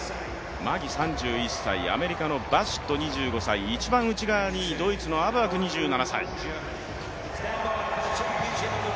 マギ３１歳、アメリカのバシット２５歳、一番内側にドイツのアブアク２７歳。